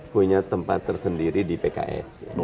punya tempat tersendiri di pks